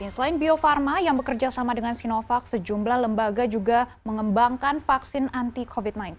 selain bio farma yang bekerja sama dengan sinovac sejumlah lembaga juga mengembangkan vaksin anti covid sembilan belas